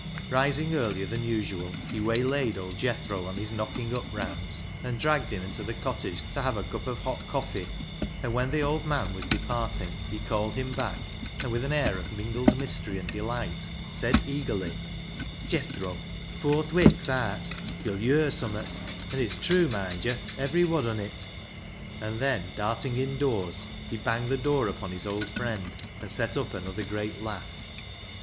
Rising earlier than usual, he waylaid Old Jethro on his knocking up rounds, and dragged him into the cottage to have a cup 286 BECKSIDE LIGHTS of hot coffee, and when the old man was departing he called him back, and with an air of mingled mystery and delight, said eagerly —" Jethro, afoor th' wik's aat yo'U yer summat. An' it's trew, moind yo', every wod on it," and then darting indoors, he banged the door upon his old friend and set up another great laugh.